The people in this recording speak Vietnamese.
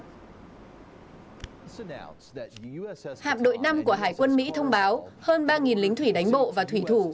hạp đội năm của hải quân mỹ thông báo hơn ba lính thủy đánh bộ và thủy thủ